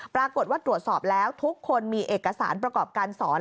ปรากฏว่าตรวจสอบแล้วทุกคนมีเอกสารประกอบการสอน